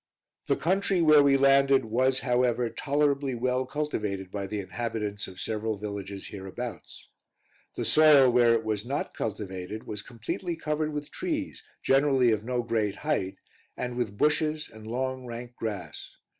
The country where we landed was, however, tolerably well cultivated by the inhabitants of several villages hereabouts. The soil, where it was not cultivated, was completely covered with trees, generally of no great height, and with bushes and long rank grass.